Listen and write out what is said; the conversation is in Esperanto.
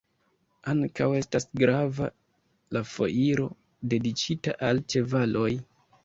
Ankaŭ estas grava la Foiro dediĉita al ĉevaloj.